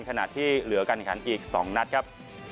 ขณะที่เหลือการแข่งขันอีก๒นัดครับ